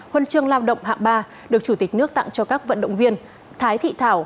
huân chương lao động hạng ba được chủ tịch nước tặng cho các vận động viên thái thị thảo